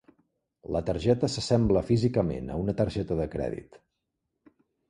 La targeta s'assembla físicament a una targeta de crèdit.